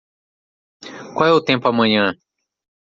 Qual é o tempo amanhã?